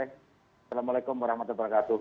assalamualaikum warahmatullahi wabarakatuh